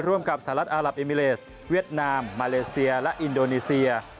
กับสหรัฐอารับเอมิเลสเวียดนามมาเลเซียและอินโดนีเซีย